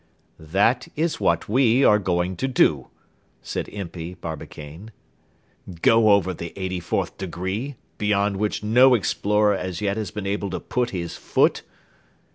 "That is what we are going to do," said Impey Barbicane. "Go over the eighty fourth degree, beyond which no explorer as yet has been able to put his foot?"